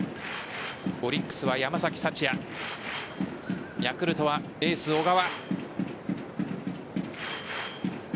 オリックスは山崎福也ヤクルトはエース・小川。